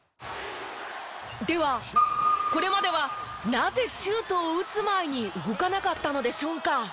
ではこれまではなぜシュートを打つ前に動かなかったのでしょうか？